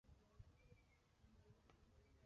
Abantu bavugana hagati yabo bicaye hanze